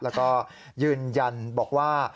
แล้วก็ยืนยันบอกว่า